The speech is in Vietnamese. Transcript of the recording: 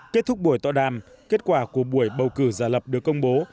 kết thúc buổi tọa đàm kết quả của buổi bầu cử giả lập được công bố